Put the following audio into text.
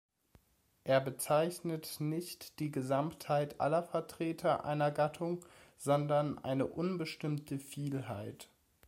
Er bezeichnet nicht die Gesamtheit alle Vertreter einer Gattung, sondern eine unbestimmte Vielheit.